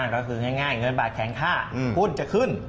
ก็คือง่ายเงินบาทแข็งค่าหุ้นจะขึ้น